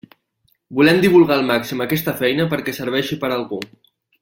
Volem divulgar al màxim aquesta feina perquè serveixi per a algú.